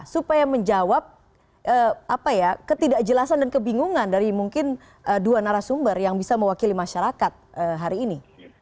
supaya menjawab ketidakjelasan dan kebingungan dari mungkin dua narasumber yang bisa mewakili masyarakat hari ini